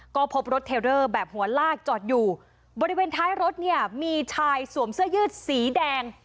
ก็พบรถเทลเดอร์แบบหัวลากจอดอยู่บริเวณท้ายรถเนี่ยมีชายสวมเสื้อยืดสีแดง